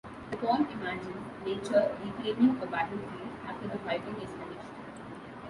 The poem imagines nature reclaiming a battlefield after the fighting is finished.